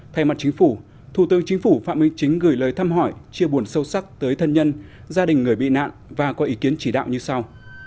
thay mặt chính phủ thủ tướng chính phủ phạm minh chính gửi lời thăm hỏi chia buồn sâu sắc tới thân nhân gia đình người bị nạn và có ý kiến chỉ đạo như sau